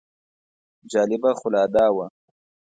جالبه خو لا دا وه.